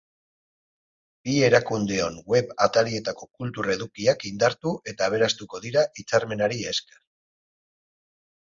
Bi erakundeon web atarietako kultur edukiak indartu eta aberastuko dira hitzarmenari esker.